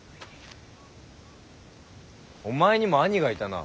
お前にも兄がいたな。